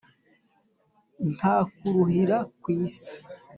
Nta kuruhira ku isi